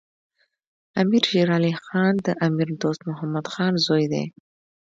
امیر شیر علی خان د امیر دوست محمد خان زوی دی.